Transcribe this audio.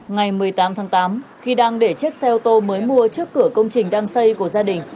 ngày một mươi tám tháng tám khi đang để chiếc xe ô tô mới mua trước cửa công trình đang xây của gia đình